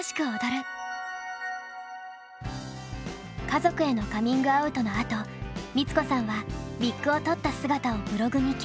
家族へのカミングアウトのあと光子さんはウィッグを取った姿をブログに掲載。